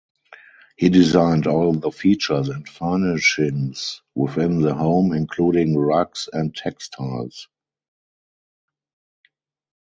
He designed all the features and furnishings within the home, including rugs and textiles.